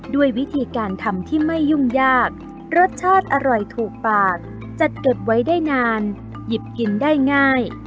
ด้วยวิธีการทำที่ไม่ยุ่งยากรสชาติอร่อยถูกปากจัดเก็บไว้ได้นานหยิบกินได้ง่าย